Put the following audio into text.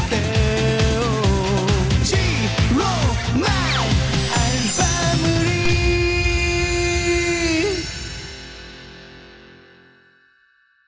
จีโรมันอันสัมบูรณ์